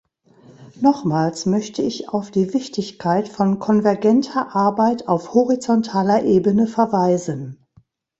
Nochmals möchte ich auf die Wichtigkeit von konvergenter Arbeit auf horizontaler Ebene verweisen.